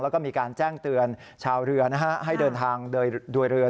แล้วก็มีการแจ้งเตือนชาวเรือให้เดินทางโดยเรือ